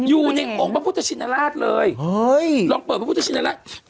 อยู่ในองค์พระพุทธชินราชเลยลองเปิดพระพุทธชินราช